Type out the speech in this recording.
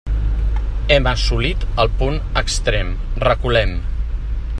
Hem assolit el punt extrem; reculem.